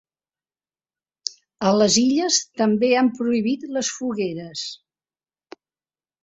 A les Illes també han prohibit les fogueres.